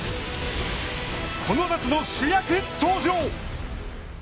この夏の主役、登場。